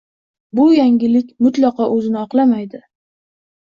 Bu yangilik mutlaqo o‘zini oqlamaydi.